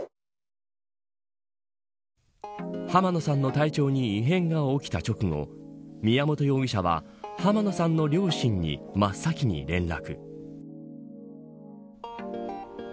濱野さんの体調に異変が起きた直後宮本容疑者は濱野さんの両親に真っ先に連絡。